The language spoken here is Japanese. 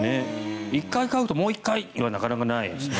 １階買うともう１階はなかなかないですね。